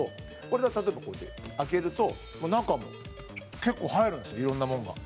例えば、こうやって開けると中も結構入るんですいろんなものが。